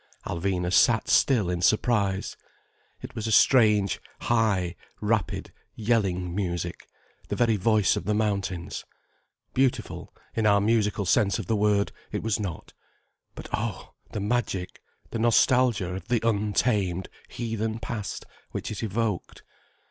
Alvina sat still in surprise. It was a strange, high, rapid, yelling music, the very voice of the mountains. Beautiful, in our musical sense of the word, it was not. But oh, the magic, the nostalgia of the untamed, heathen past which it evoked.